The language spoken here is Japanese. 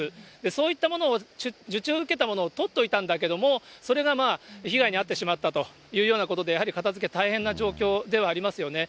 そういったものを、受注を受けたものを取っておいたんだけれども、それがまあ、被害に遭ってしまったというようなことで、やはり片づけ、大変な状況ではありますよね。